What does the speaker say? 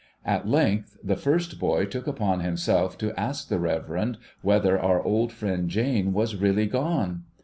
At length, the first hoy took upon himself to ask the Reverend whether our old friend Jane was really gone?